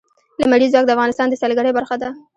لمریز ځواک د افغانستان د سیلګرۍ برخه ده.